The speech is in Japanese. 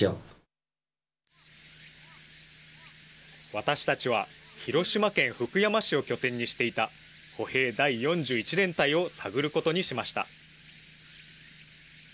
私たちは広島県福山市を拠点にしていた歩兵第４１連隊を探ることにしました。